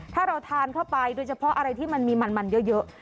ถ้าเราทานเข้าไปโดยเฉพาะอะไรที่มันมีมันเยอะ